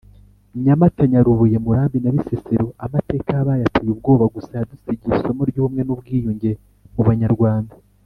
Nyamata, Nyarubuye, Murambi na Bisesero amateka yahabaye ateye ubwoba gusa yadusigiye isomo ry’ubumwe n’ubwiyunge mu banyarwanda.